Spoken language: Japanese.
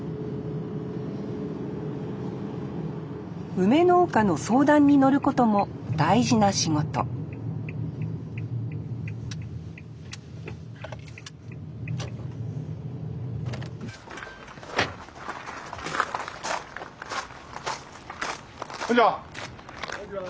梅農家の相談に乗ることも大事な仕事こんにちは！